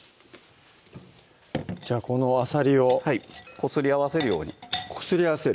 じゃあこのあさりをはいこすり合わせるようにこすり合わせる？